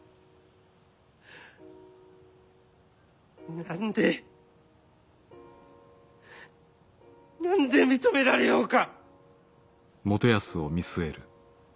何で何で認められようか！